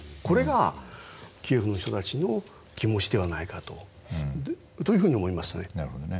これがキエフの人たちの気持ちではないかというふうに思いますね。